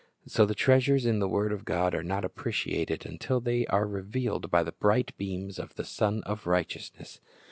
So the treasures in the word of God are not appreciated until they are revealed by the bright beams of the Sun of Righteousness.